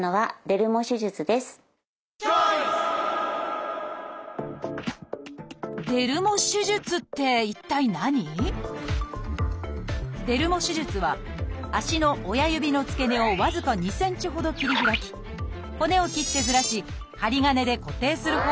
「デルモ手術」は足の親指の付け根を僅か２センチほど切り開き骨を切ってずらし針金で固定する方法です。